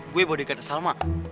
gue mau deket sama salma